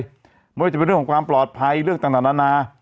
ไม่ว่าจะเป็นเรื่องของความปลอดภัยเรื่องต่างนานา